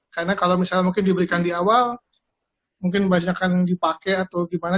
karena kalau misalnya mungkin diberikan di awal mungkin banyak yang dipakai atau gimana